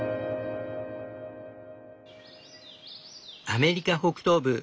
アメリカ北東部